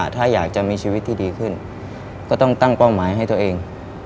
ถ้าอยากจะมีชีวิตที่ดีขึ้นก็ต้องตั้งเป้าหมายให้ตัวเอง